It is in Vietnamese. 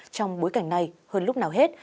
trong bối cảnh này hơn lúc nào hết